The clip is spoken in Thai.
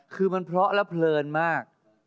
คือมันเพราะและเพลินมาก